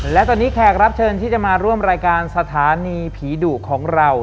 และตอนนี้แขกรับเชิญที่จะมาร่วมรายการสถานีผีดุของเรา